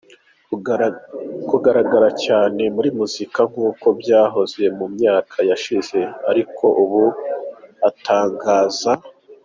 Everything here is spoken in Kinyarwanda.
kugaragara cyane muri muzika nkuko byahoze mu myaka yashize ariko ubu atangaza.